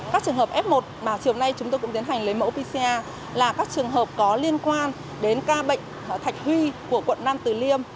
các trường hợp f một mà chiều nay chúng tôi cũng tiến hành lấy mẫu pcr là các trường hợp có liên quan đến ca bệnh thạch huy của quận nam từ liêm